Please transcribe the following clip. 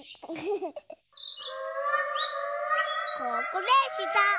ここでした！